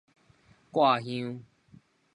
割香